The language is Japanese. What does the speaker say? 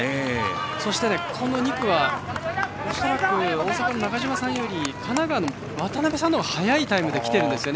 そして２区は恐らく大阪の中島さんより神奈川の渡邊さんのほうが早いタイムできているんですね。